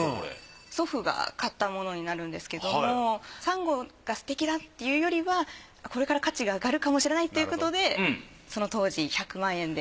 祖父が買ったものになるんですけどもサンゴがすてきだっていうよりはこれから価値が上がるかもしれないっていうことでその当時１００万円で。